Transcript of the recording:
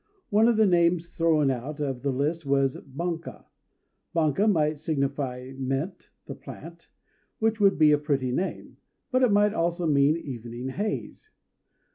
One of the names thrown out of the list was Banka. Banka might signify "Mint" (the plant), which would be a pretty name; but it might also mean "Evening haze."